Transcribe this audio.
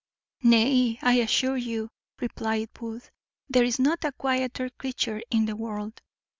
"Nay, I assure you," replied Booth, "there is not a quieter creature in the world.